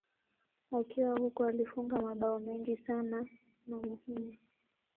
Akiwa huko alifunga mabao mengi sana na muhimu.